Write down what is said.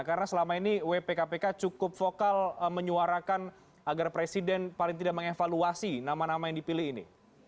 karena selama ini wp kpk cukup vokal menyuarakan agar presiden paling tidak mengevaluasi nama nama yang dipilih ini